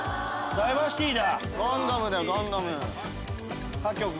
ダイバーシティだ。